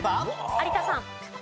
有田さん。